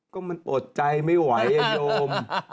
ก็มันโปรดใจไม่ไหวอย่างโยม